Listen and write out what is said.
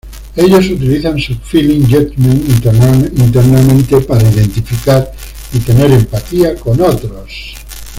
Ellos utilizan su Feeling judgment internamente para identificar y tener empatía con otros.